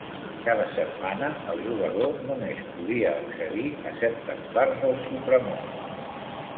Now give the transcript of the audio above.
Cada setmana, el jugador només podia accedir a certes parts del "supramón".